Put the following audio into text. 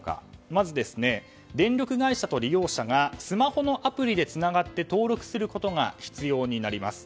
まず電力会社と利用者がスマホのアプリでつながって登録することが必要になります。